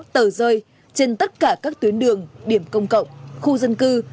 tờ rơi trên tất cả các tuyến đường điểm công cộng khu dân cư